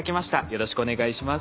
よろしくお願いします。